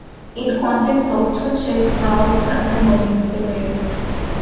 It consists of two check valves assembled in series.